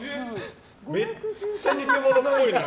めっちゃ偽物っぽいな。